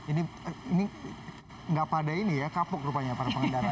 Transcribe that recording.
ini nggak pada ini ya kapuk rupanya para pengendara